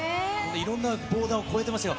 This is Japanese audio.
いろんなボーダーを超えてましたよ。